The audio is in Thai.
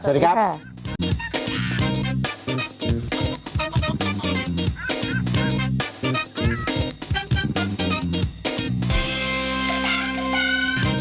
สวัสดีครับ